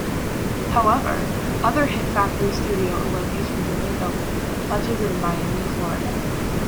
However, other Hit Factory studio locations remained open, such as in Miami, Florida.